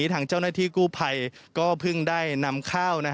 ทางเจ้าหน้าที่กู้ภัยก็เพิ่งได้นำข้าว